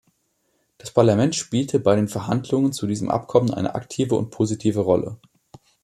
Das Parlament spielte bei den Verhandlungen zu diesem Abkommen eine aktive und positive Rolle.